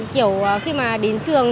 kiểu khi mà đến trường